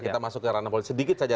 kita masuk ke ranah politik saja